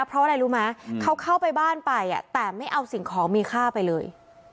เพราะอะไรรู้ไหมเขาเข้าไปบ้านไปแต่ไม่เอาสิ่งของมีค่าไปเลย